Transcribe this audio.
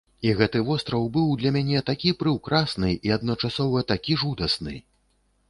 І гэты востраў быў для мяне такі прыўкрасны, і адначасова такі жудасны!